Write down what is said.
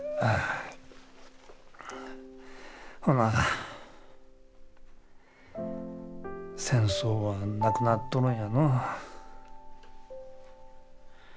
ほな戦争はなくなっとるんやのう。